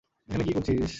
এখানে কী করছিস?